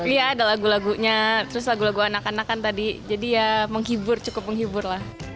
iya ada lagu lagunya terus lagu lagu anak anak kan tadi jadi ya menghibur cukup menghibur lah